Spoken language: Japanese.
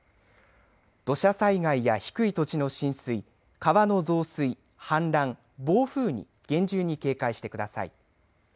土砂災害や低い土地の浸水、川の増水、氾濫、暴風に厳重に警戒してください。